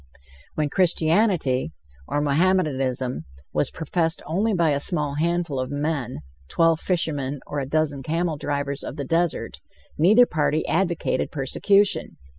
When Christianity, or Mohammedanism, was professed only by a small handful of men twelve fishermen, or a dozen camel drivers of the desert neither party advocated persecution.